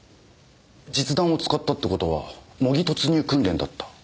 実弾を使ったって事は模擬突入訓練だった。